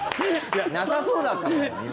なさそうだったもん。